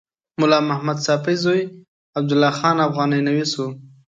ملا محمد ساپي زوی عبدالله خان افغاني نویس و.